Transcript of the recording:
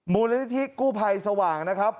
มูลนิธิกู้ภัยสว่างนะครับ